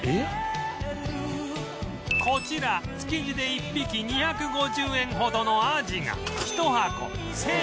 こちら築地で１匹２５０円ほどのアジが